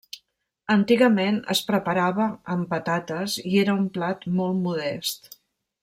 Antigament es preparava amb patates i era un plat molt modest.